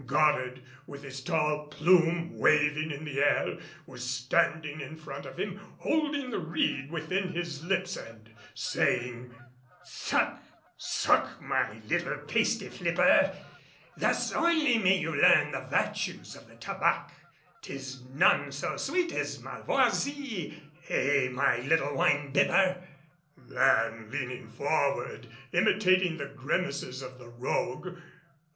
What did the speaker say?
Goddard, with his tall plume waving in the air, was standing in front of him holding the reed within his lips and saying, "Suck, suck my little pasty flipper! Thus only you may learn the virtues of the tabac. 'Tis none so sweet as malvoisie, eh, my little wine bibber?" then, leaning forward, imitating the grimaces of the rogue.